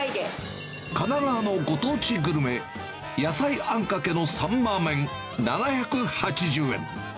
神奈川のご当地グルメ、野菜あんかけのサンマー麺、７８０円。